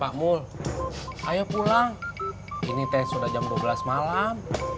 ayo pulang ini teh sudah jam dua belas malam